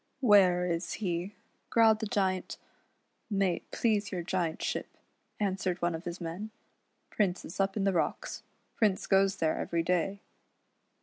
" Where is he," growled the Giant. " May it please your Giantship," answered one of his men, " Prince is up in the rocks. Prince goes there every da}